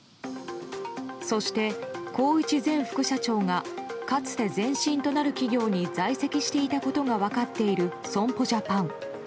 そして宏一前副社長がかつて前身となる企業に在籍していたことが分かっている損保ジャパン。